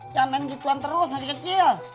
jangan main gituan terus masih kecil